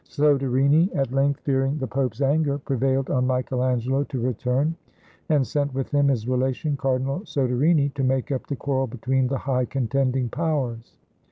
Soderini, at length, fearing the Pope's anger, prevailed on Michael Angelo to re turn, and sent with him his relation, Cardinal Soderini, to make up the quarrel between the high contending powers.